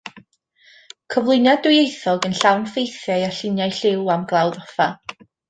Cyflwyniad dwyieithog yn llawn ffeithiau a lluniau lliw am Glawdd Offa.